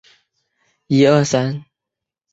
幼鱼很适合食用。